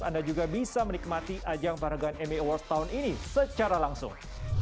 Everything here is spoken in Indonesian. anda juga bisa menikmati ajang paragan amy awards tahun ini secara langsung